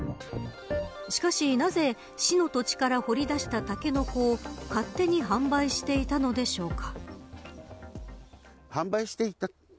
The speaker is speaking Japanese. しかしなぜ市の土地から掘り出したタケノコを勝手に販売していたのでしょうか。